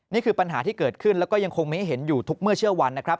นี่คือปัญหาที่เกิดขึ้นแล้วก็ยังคงมีให้เห็นอยู่ทุกเมื่อเชื่อวันนะครับ